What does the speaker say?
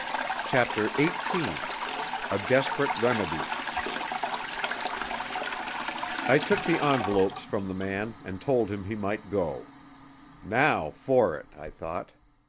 CHAPTER XVIII A Desperate Remedy I took the envelopes from the man and told him he might go. Now for it! I thought.